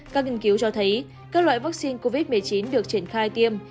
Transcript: các nghiên cứu cho thấy các loại vaccine covid một mươi chín được triển khai tiêm